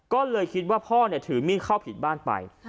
ก็เลยคิดว่าพ่อถือมีดเข้าผิดบ้านไป